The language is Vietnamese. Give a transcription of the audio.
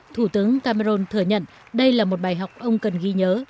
thủ tướng cameron thừa nhận đây là một bài học ông cần ghi nhớ